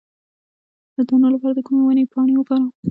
د دانو لپاره د کومې ونې پاڼې وکاروم؟